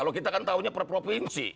kalau kita kan tahunya per provinsi